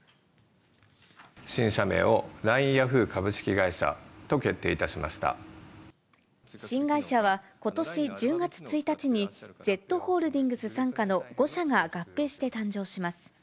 新社名をＬＩＮＥヤフー株式新会社は、ことし１０月１日に、Ｚホールディングス傘下の５社が合併して誕生します。